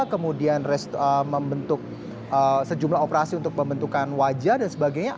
kemudian sejumlah operasi untuk membentukan wajah dan sebagainya